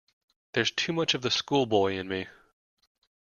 There's too much of the schoolboy in me.